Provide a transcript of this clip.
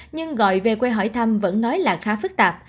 nhưng gọi về quê hỏi thăm vẫn nói là khá phức tạp